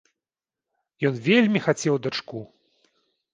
Ён вельмі хацеў дачку.